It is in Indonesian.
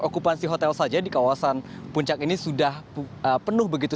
okupansi hotel saja di kawasan puncak ini sudah penuh begitu